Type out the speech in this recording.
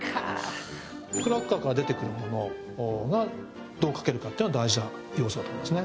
クラッカーから出てくる物がどう描けるかっていうのが大事な要素だと思いますね。